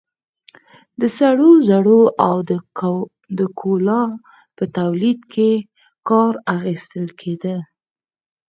د سرو زرو او د کولا په تولید کې کار اخیستل کېده.